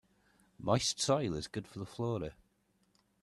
Moist soil is good for the flora.